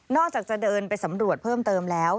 จะเดินไปสำรวจเพิ่มเติมแล้ว